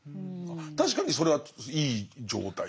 確かにそれはいい状態。